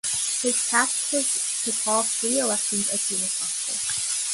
His task was to call free elections as soon as possible.